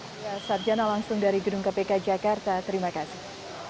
maria sarjana langsung dari judung kpk jakarta terima kasih